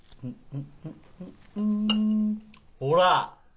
ほら。